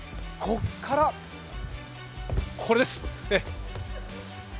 ここから、これです。